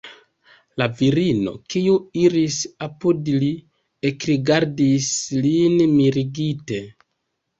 La virino, kiu iris apud li, ekrigardis lin mirigite.